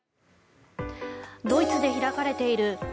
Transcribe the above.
ドイツで開かれているＧ７